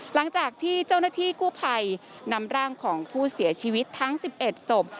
หลังจากที่เจ้าหน้าที่กู้ภัยนำร่างของผู้เสียชีวิตทั้ง๑๑ศพ